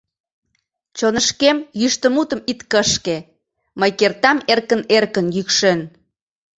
Чонышкем йӱштӧ мутым ит кышке: Мый кертам эркын-эркын йӱкшен.